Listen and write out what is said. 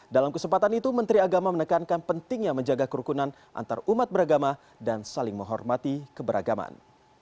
dalam kesempatan itu menteri agama menekankan pentingnya menjaga kerukunan antarumat beragama dan saling menghormati keberagaman